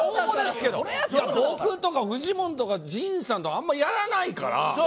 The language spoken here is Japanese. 僕とかフジモンとか陣さんとかやらないから。